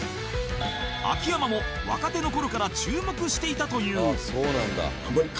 秋山も若手の頃から注目していたという